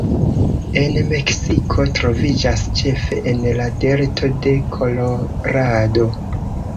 En Meksiko troviĝas ĉefe en la delto de Kolorado.